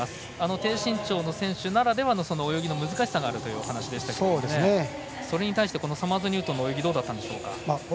低身長ならではの泳ぎの難しさがあるというお話でしたがそれに対してサマーズニュートンの泳ぎはどうでしたか。